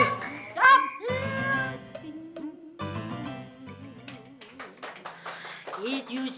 ini roketnya belum habis